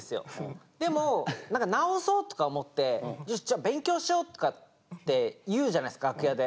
でも何か直そうとか思って「よし勉強しよう」とかって言うじゃないですか楽屋で。